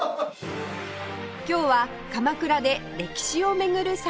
今日は鎌倉で歴史を巡る散歩です